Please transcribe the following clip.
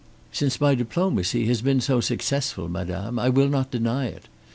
"Since my diplomacy has been so successful, madame, I will not deny it.